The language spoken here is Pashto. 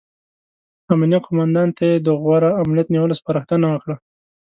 امنیه قوماندان ته یې د غوره امنیت نیولو سپارښتنه وکړه.